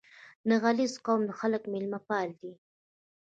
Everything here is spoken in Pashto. • د علیزي قوم خلک میلمهپال دي.